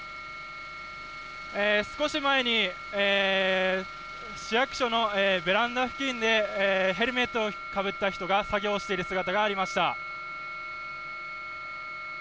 少し前に市役所のベランダ付近で、ヘルメットをかぶった人が作業している姿がありました。